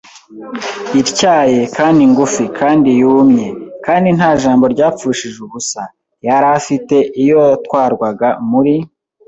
ityaye kandi ngufi kandi yumye, kandi nta jambo ryapfushije ubusa. Yari afite, iyo yatwarwaga muri